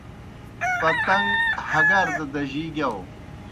پتݩگ ہگار دہ دجِی گِیاؤ۔